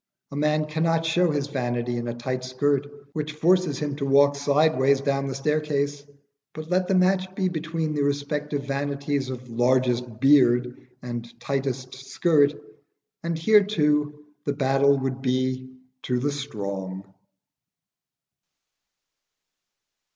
A man cannot show his vanity in a tight skirt which forces him to walk sideways down the staircase; but let the match be between the respective vanities of largest beard and tightest skirt, and here too the battle would be to the strong.